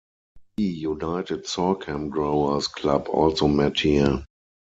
The United Sorgham Growers Club also met here.